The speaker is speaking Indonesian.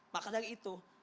maka dari itu